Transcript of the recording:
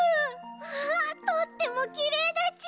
わあとってもきれいだち。